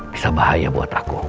bisa bahaya buat aku